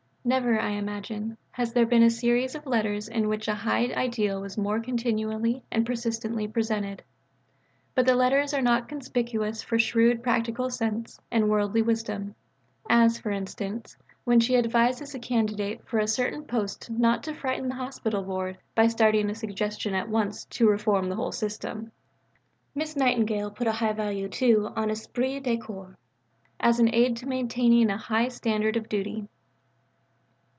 Never, I imagine, has there been a series of letters in which a high ideal was more continually and persistently presented. But the letters are not less conspicuous for shrewd practical sense and worldly wisdom as, for instance, when she advises a candidate for a certain post not to frighten the Hospital Board by starting a suggestion at once "to reform the whole system." Miss Nightingale put a high value, too, upon esprit de corps as an aid to maintaining a high standard of duty.